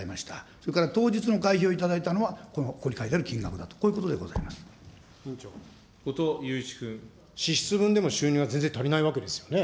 それから、当日に会費を頂いたのはここに書いてある金額だと、こういうこと後藤祐一君。支出分でも収入は全然足りないわけですよね。